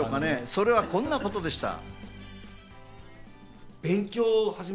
それはこんなことでした。